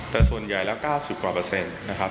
แต่ส่วนใหญ่แล้ว๙๐กว่าเปอร์เซ็นต์นะครับ